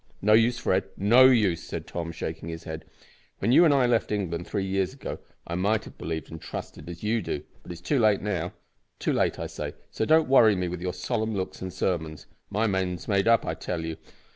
"No use, Fred, no use," said Tom, shaking his head. "When you and I left England, three years ago, I might have believed and trusted as you do, but it's too late now too late I say, so don't worry me with your solemn looks and sermons. My mind's made up, I tell you.